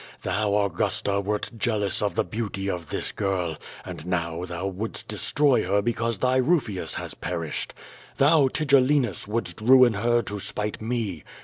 Thou, Augusta, wert jealous of the beauty of this girl, and now thou wouldst destroy her becaus<3 thy Kufius has perished! Thou, Tigellinus, wouldst ruin her to spite nie!